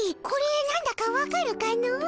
これなんだかわかるかの？